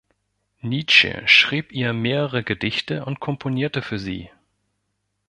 Nietzsche schrieb ihr mehrere Gedichte und komponierte für sie.